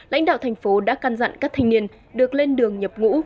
lãnh đạo thành phố đã căn dặn các thanh niên được lên đường nhập ngũ